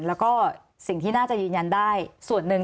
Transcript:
แล้วก็สิ่งที่น่าจะยืนยันได้ส่วนหนึ่ง